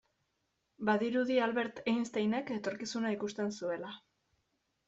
Badirudi Albert Einsteinek etorkizuna ikusten zuela.